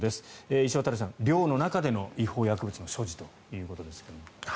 石渡さん、寮の中での違法薬物の所持ということですが。